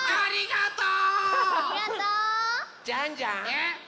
えっ？